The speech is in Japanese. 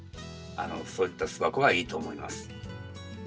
そういった巣箱がいいと思います。